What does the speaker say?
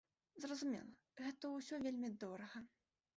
Зразумела, гэта ўсё вельмі дорага.